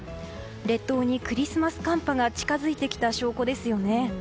列島にクリスマス寒波が近づいてきた証拠ですよね。